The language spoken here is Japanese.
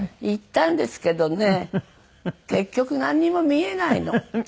行ったんですけどね結局なんにも見えないの。